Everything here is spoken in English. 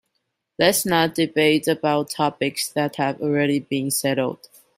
Let's not debate about topics that have already been settled.